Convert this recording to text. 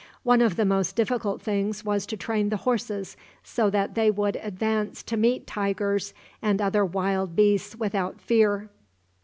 One of the most difficult things was to train the horses so that they would advance to meet tigers and other wild beasts without fear.